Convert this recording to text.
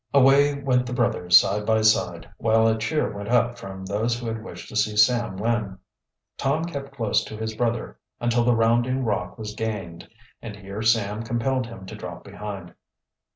Away went the brothers side by side, while a cheer went up from those who had wished to see Sam win. Tom kept close to his brother until the rounding rock was gained and here Sam compelled him to drop behind.